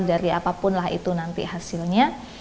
dari apapun lah itu nanti hasilnya